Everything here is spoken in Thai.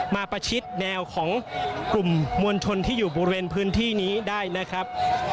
ประชิดแนวของกลุ่มมวลชนที่อยู่บริเวณพื้นที่นี้ได้นะครับ